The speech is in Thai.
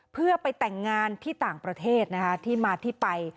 เพื่อไปแต่งงานที่ต่างประเทศนะครับ